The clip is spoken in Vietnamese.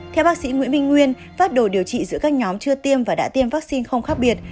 theo bác sĩ nguyễn minh nguyên pháp đồ điều trị giữa các nhóm chưa tiêm và đã tiêm vaccine không khác biệt